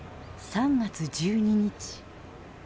３月１２日。